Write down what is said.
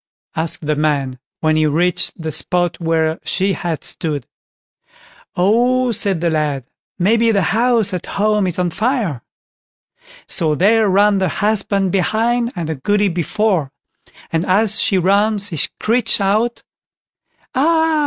asked the man, when he reached the spot where she had stood. "Oh", said the lad, "maybe the house at home is on fire!" So there ran the husband behind and the Goody before; and as she ran she screeched out: "Ah!